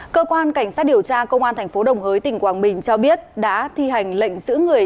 cơ quan cảnh sát điều tra công an tp đồng hới tỉnh quảng bình cho biết đã thi hành lệnh giữ người